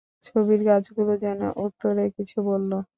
ছবির গাছগুলি যেন উত্তরে কিছু বলল।